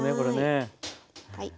はい。